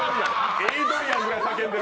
エイドリアンぐらい叫んでる。